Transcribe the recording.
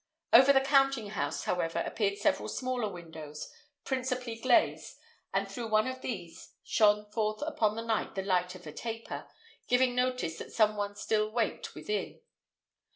Over the counting house, however, appeared several smaller windows, principally glazed, and through one of these shone forth upon the night the light of a taper, giving notice that some one still waked within.